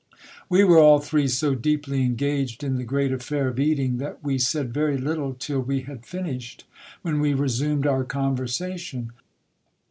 We were all three so deeply engaged in the great affair of eating, that we said very little till we had finished, when we resumed our conversation.